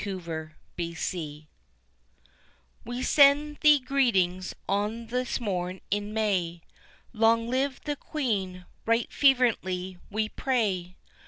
To the Queen We send thee greetings on this morn in May, Long live the Queen, right fervently we pray!